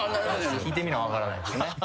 聞いてみな分からないですね。